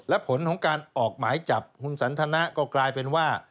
และผลของการออกหมายจับคุณสันทนะก็กลายเป็นว่า